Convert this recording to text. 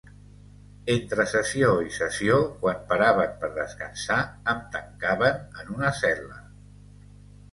Entre sessió i sessió, quan paraven per descansar, em tancaven en una cel·la.